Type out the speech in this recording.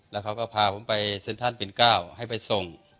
แล้วเขาก็พาผมไปเซ็นทรัลปิน๙ให้ไปส่ง